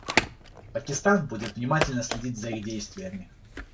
Пакистан будет внимательно следить за их действиями.